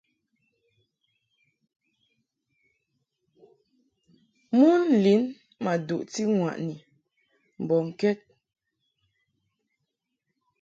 Mon lin ma duʼti ŋwaʼni mbɔŋkɛd.